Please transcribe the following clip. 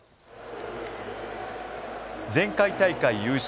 前回大会優勝